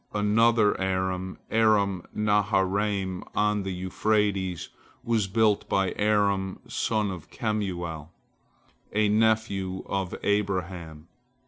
Another Aram, Aram naharaim, on the Euphrates, was built by Aram son of Kemuel, a nephew of Abraham.